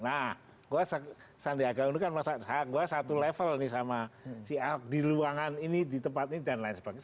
nah sandiaga uno kan masa saya satu level nih sama si aho di luangan ini di tempat ini dan lain sebagainya